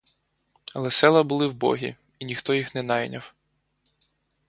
Але села були вбогі, і ніхто їх не найняв.